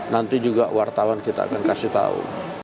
nanti juga wartawan kita akan kasih tahu